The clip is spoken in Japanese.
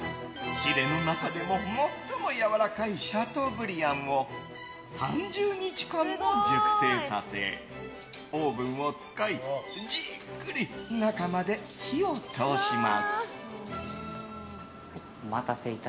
ヒレの中でも最もやわらかいシャトーブリアンを３０日間熟成させオーブンを使いじっくり中まで火を通します。